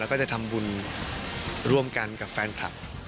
แล้วก็จะทำบุญร่วมกันกับแฟนคลับ